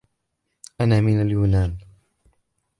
أنا من اليونان.